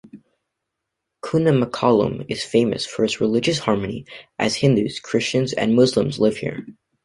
Kunnamkulam is famous for its religious harmony as Hindus, Christians and Muslims live here.